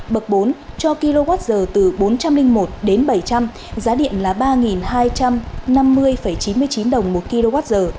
bậc bốn cho kwh từ bốn trăm linh một đến bảy trăm linh giá điện là ba hai trăm năm mươi chín mươi chín đồng một kwh